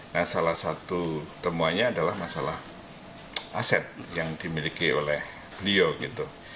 nah salah satu temuannya adalah masalah aset yang dimiliki oleh beliau gitu